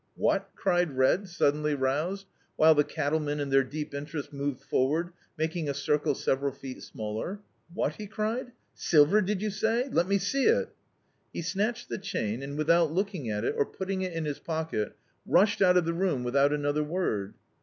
"What I" cried Red, suddenly roused, [>oj] D,i.,.db, Google The Autobiography of a Super Tramp while the cattlemen in their deep interest moved forward, making a circle several feet smaller — "What!" he cried, "silver did you say? I>t me sec it!" He snatched the chain and, without look ing at it, or putting it in his pocket, rushed out of the room without another word.